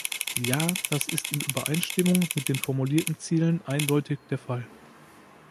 Ja, das ist in Übereinstimmung mit den formulierten Zielen eindeutig der Fall.